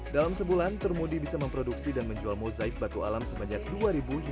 dalam sebulan turmudi bisa memproduksi dan menjual mozaik batu alam sepanjang dua ribu tahun